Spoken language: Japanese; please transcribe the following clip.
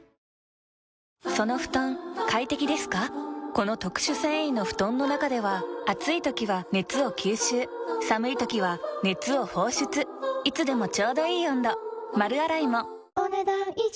この特殊繊維の布団の中では暑い時は熱を吸収寒い時は熱を放出いつでもちょうどいい温度丸洗いもお、ねだん以上。